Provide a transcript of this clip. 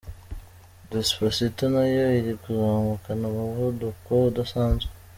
Despacito nayo iri kuzamukana umuvuduko udasanzwe.